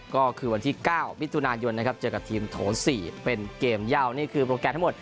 ก็คือวันที่๙มิถุนายนนะครับเจอกับทีมโถ๔เป็นเกมเย่านี่คือโปรแกรมทั้งหมด